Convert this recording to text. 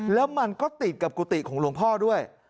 แล้วมันก็ติดกับกุฏิของหลวงพ่อด้วย